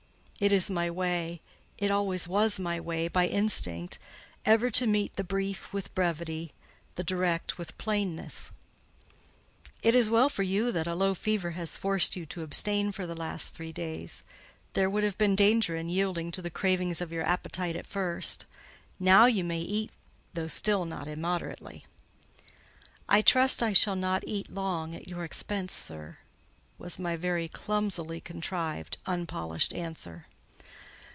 It is my way—it always was my way, by instinct—ever to meet the brief with brevity, the direct with plainness. "It is well for you that a low fever has forced you to abstain for the last three days: there would have been danger in yielding to the cravings of your appetite at first. Now you may eat, though still not immoderately." "I trust I shall not eat long at your expense, sir," was my very clumsily contrived, unpolished answer.